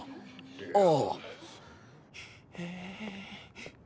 ああ。